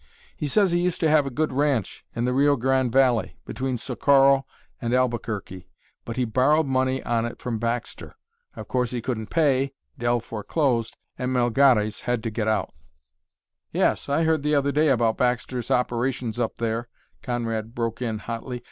He says he used to have a good ranch in the Rio Grande valley, between Socorro and Albuquerque, but he borrowed money on it from Baxter. Of course he couldn't pay, Dell foreclosed, and Melgares had to get out." "Yes; I heard the other day about Baxter's operations up there," Conrad broke in hotly.